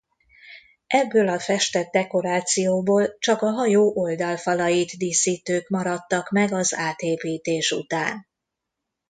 Ebből a festett dekorációból csak a hajó oldalfalait díszítők maradtak meg az átépítés után.